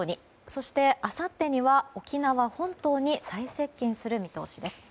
そしてあさってには沖縄本島に最接近する見通しです。